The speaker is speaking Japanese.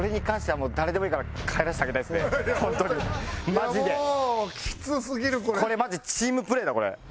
マジでチームプレーだこれ。